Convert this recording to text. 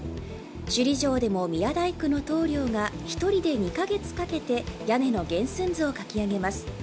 首里城でも宮大工の棟梁が１人で２か月かけて屋根の原寸図を書き上げます。